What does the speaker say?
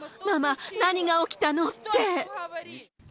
ママ、何が起きたの？って。